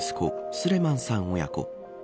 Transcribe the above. スレマンさん親子。